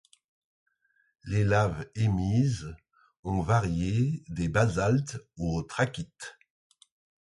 Les laves émises ont varié des basaltes aux trachytes.